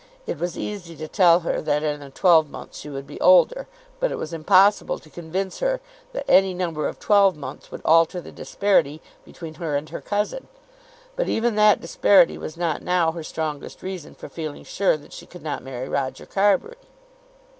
It was easy to tell her that in a twelvemonth she would be older; but it was impossible to convince her that any number of twelvemonths would alter the disparity between her and her cousin. But even that disparity was not now her strongest reason for feeling sure that she could not marry Roger Carbury.